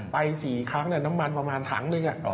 ไป๔ครั้งน้ำมันประมาณถังหนึ่ง